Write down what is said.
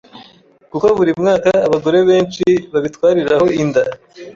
kuko buri mwaka abagore benshi babitwariraho inda